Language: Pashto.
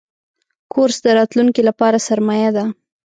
کورس د راتلونکي لپاره سرمایه ده.